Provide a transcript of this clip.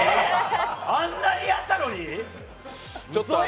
あんなにやったのに、うそやん！